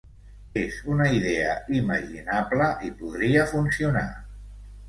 És una idea imaginable i podria funcionar.